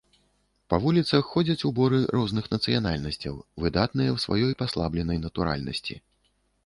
Па вуліцах ходзяць уборы розных нацыянальнасцяў, выдатныя ў сваёй паслабленай натуральнасці.